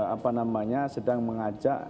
apa namanya sedang mengajak